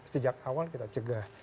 sejak awal kita cegah